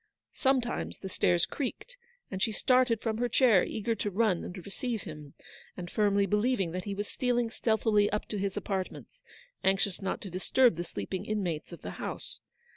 Sometimes the stairs creaked, and she started from her chair, eager to run and receive him, and firmly believing that he was stealing stealthily up to his apart ments, anxious not to disturb the sleeping in mates of the house.